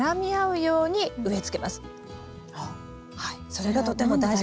それがとても大事。